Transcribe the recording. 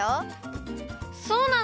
そうなんだ！